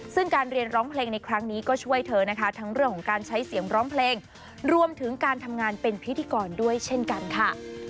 ซึ่งการเรียนร้องเพลงในครั้งนี้ก็ช่วยเธอนะคะทั้งเรื่องของการใช้เสียงร้องเพลงรวมถึงการทำงานเป็นพิธีกรด้วยเช่นกันค่ะ